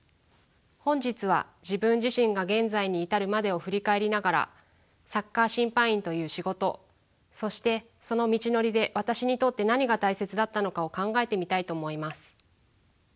本日は自分自身が現在に至るまでを振り返りながらサッカー審判員という仕事そしてその道のりで私にとって何が大切だったのかを考えてみたいと思います。